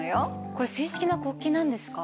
これ正式な国旗なんですか？